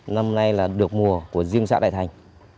năm nay là được mùa của riêng xã đại thành